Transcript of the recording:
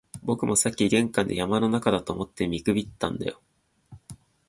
僕もさっき玄関で、山の中だと思って見くびったんだよ